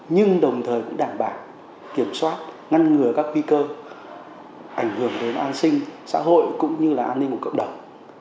nhưng đồng thời cũng đảm bảo kiểm soát ngăn ngừa các nguy cơ ảnh hưởng đến an sinh xã hội cũng như là an ninh của cộng đồng